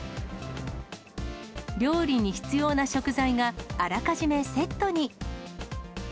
料理に必要な食材があらかじめセットに。